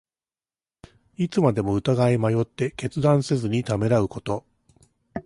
いつまでも疑い迷って、決断せずにためらうこと。